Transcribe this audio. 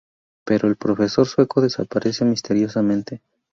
Pero el profesor sueco desaparece misteriosamente.